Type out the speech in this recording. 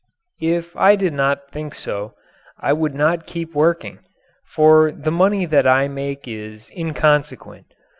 If I did not think so I would not keep working for the money that I make is inconsequent.